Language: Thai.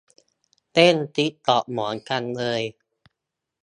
เล่นติ๊กต็อกเหมือนกันเลย